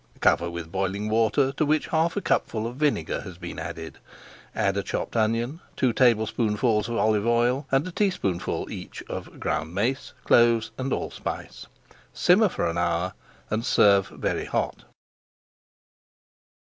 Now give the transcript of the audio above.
Cover with boiling water to which half a cupful of vinegar has been added. Add a chopped onion, two tablespoonfuls of olive oil, and a teaspoonful each of ground mace, cloves, and allspice. Simmer for an hour and serve very hot.